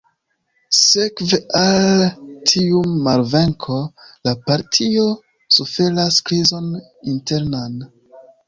Sekve al tiu malvenko, la partio suferas krizon internan.